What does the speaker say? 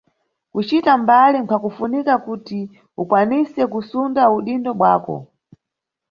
Kucita mbali nkhwakufunika kuti ukwanise kusunda udindo bwako.